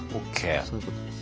そういうことです。